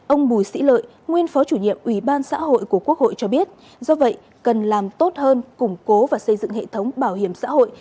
ông bùi sĩ lợi nguyên phó chủ nhiệm ủy ban xã hội của quốc hội cho biết do vậy cần làm tốt hơn củng cố và xây dựng hệ thống bảo hiểm xã hội